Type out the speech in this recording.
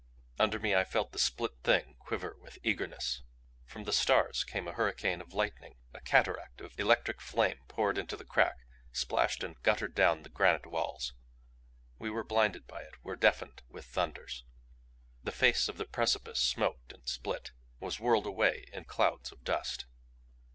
Under me I felt the split Thing quiver with eagerness. From the stars came a hurricane of lightning! A cataract of electric flame poured into the crack, splashed and guttered down the granite walls. We were blinded by it; were deafened with thunders. The face of the precipice smoked and split; was whirled away in clouds of dust.